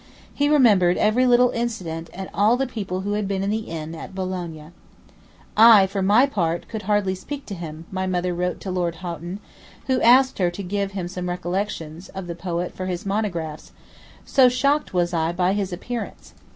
He remembered every little incident and all the people who had been in the inn at Boulogne. 'I, for my part, could hardly speak to him,' my mother wrote to Lord Houghton, who asked her to give him some recollections of the poet for his 'Monographs,' 'so shocked was I by his appearance.